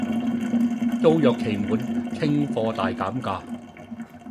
租約期滿，清貨大減價